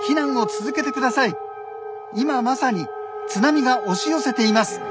今まさに津波が押し寄せています。